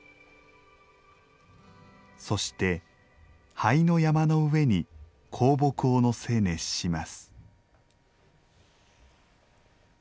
そして灰の山の上に香木を乗せ熱します。